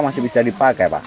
masih bisa dipakai pak